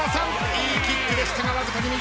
いいキックでしたがわずかに右。